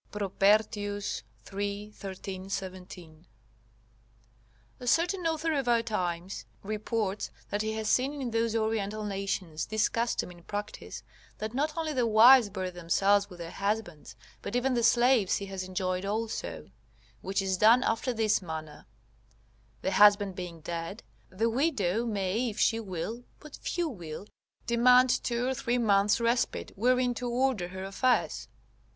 Propertius, iii. 13, 17.] A certain author of our times reports that he has seen in those Oriental nations this custom in practice, that not only the wives bury themselves with their husbands, but even the slaves he has enjoyed also; which is done after this manner: The husband being dead, the widow may if she will (but few will) demand two or three months' respite wherein to order her affairs.